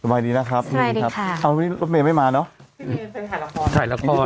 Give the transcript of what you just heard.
สบายดีนะครับสบายดีค่ะเอ้าไม่ไม่มาเนอะถ่ายละครถ่ายละคร